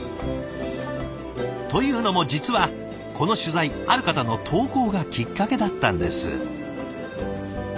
というのも実はこの取材ある方の投稿がきっかけだったんです。